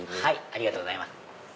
ありがとうございます。